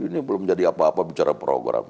ini belum jadi apa apa bicara program